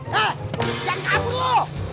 jangan kabur lo